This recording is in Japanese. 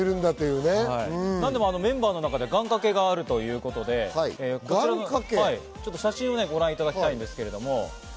メンバーの中で願掛けがあるということで、写真をご覧いただきます。